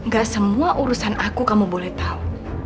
gak semua urusan aku kamu boleh tahu